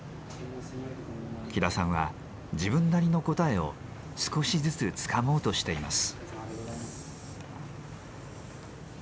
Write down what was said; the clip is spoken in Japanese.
喜田さんは自分なりの答えを少しずつつかもうとしています。